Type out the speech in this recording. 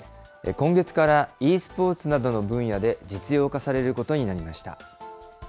今月から、ｅスポーツなどの分野で実用化されることになりました。